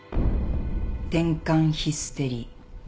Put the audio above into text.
転換ヒステリー。